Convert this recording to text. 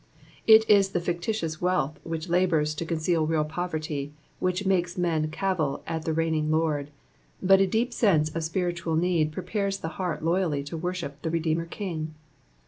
It is the fictitious wealth which labours to conceal real poverty, which makes men cavil at the reigning Lord, but a deep seuse of spiritual need prepares the heart loyally to woiship the Redeemer King.